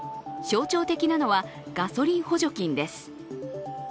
象徴的なのはガソリン補助金です。